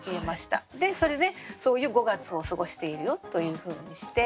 でそれでそういう５月を過ごしているよというふうにして。